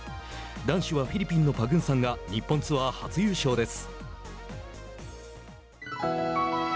男子はフィリピンのパグンサンが日本ツアー初優勝です。